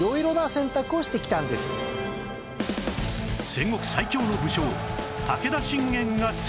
戦国最強の武将